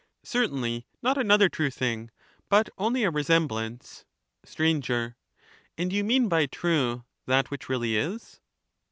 Certainly not another true thing, but only a resem blance. Str. And you mean by true that which really is